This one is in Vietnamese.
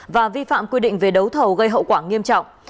và vi phạm quy định về đấu thầu gây hậu quả nghiêm trọng